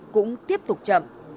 cũng tiếp tục chậm